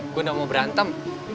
gue gak mau berantem